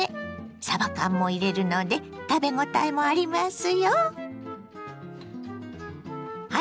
さば缶も入れるので食べごたえもありますよ。